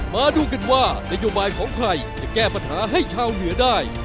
มาดูกันว่านโยบายของใครจะแก้ปัญหาให้ชาวเหนือได้